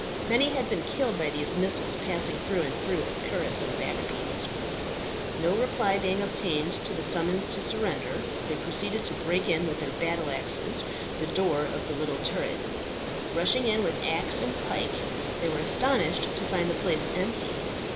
Many had been killed by these missiles passing through and through the cuirass and backpiece. No reply being obtained to the summons to surrender, they proceeded to break in with their battle axes the door of the little turret. Rushing in with axe and pike, they were astonished to find the place empty.